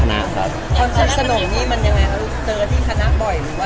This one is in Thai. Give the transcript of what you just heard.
นามตอนจากนี้มันยังไงนะครับ